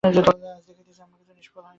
আজ দেখিতেছি, আমার কিছুই নিষ্ফল হয় নাই।